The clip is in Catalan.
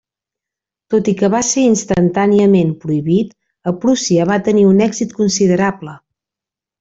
Tot i que va ser instantàniament prohibit, a Prússia va tenir un èxit considerable.